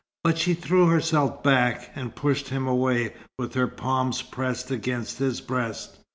But she threw herself back, and pushed him away, with her palms pressed against his breast.